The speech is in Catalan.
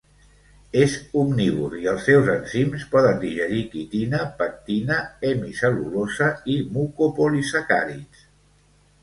És omnívor i els seus enzims poden digerir quitina, pectina, hemicel·lulosa i mucopolisacàrids.